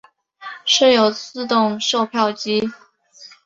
设有自动售票机。